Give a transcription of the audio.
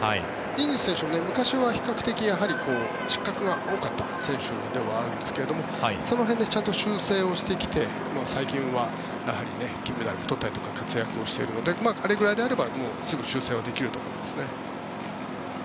ディニズ選手、昔は比較的失格が多かった選手ではあるんですがその辺の修正をしてきて最近は銀メダル取ったりとか活躍しているのであれぐらいであればすぐ修正はできると思います。